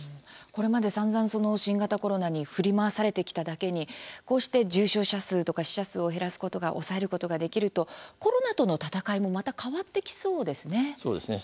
これまでさんざん新型コロナに振り回されてきただけにこうして重傷者数とか死者数を減らすことが抑えることができるとコロナとの戦いも、また変わってきそうですね。